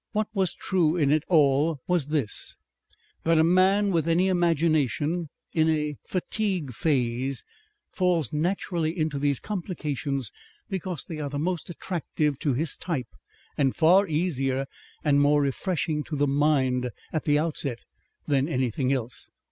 What was true in it all was this, that a man with any imagination in a fatigue phase falls naturally into these complications because they are more attractive to his type and far easier and more refreshing to the mind, at the outset, than anything else.